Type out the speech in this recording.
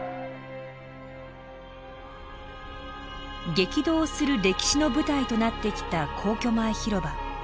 激動する歴史の舞台となってきた皇居前広場。